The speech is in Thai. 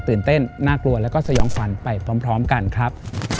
เต้นน่ากลัวแล้วก็สยองฝันไปพร้อมกันครับ